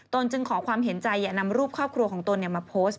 จึงขอความเห็นใจอย่านำรูปครอบครัวของตนมาโพสต์